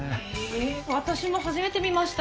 私も初めて見ました。